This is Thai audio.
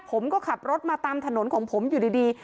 ผมก็ขับรถมาตามถนนของผมอยู่ดี